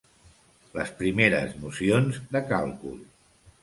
Les primeres nocions de càlcul.